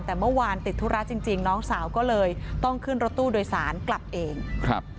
แต่เมื่อวานติดธุระจริงจริงน้องสาวก็เลยต้องขึ้นรถตู้โดยสารกลับเองครับ